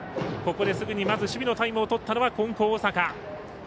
ここでまず守備のタイムをとったのは金光大阪。